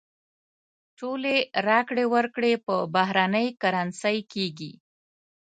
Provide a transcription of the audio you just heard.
ټولې راکړې ورکړې په بهرنۍ کرنسۍ کېږي.